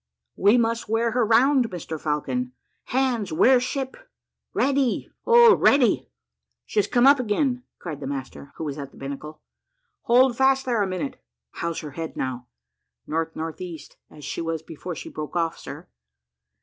"We must wear her round, Mr Falcon. Hands, wear ship ready, oh, ready." "She has come up again," cried the master, who was at the binnacle. "Hold fast there a minute. How's her head now?" "N.N.E., as she was before she broke off, sir?"